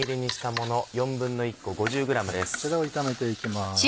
こちらを炒めていきます。